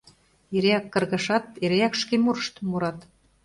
Эреак каргашат, эреак шке мурыштым мурат.